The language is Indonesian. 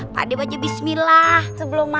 pade baca bismillah sebelum makan